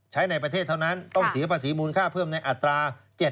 ในประเทศเท่านั้นต้องเสียภาษีมูลค่าเพิ่มในอัตรา๗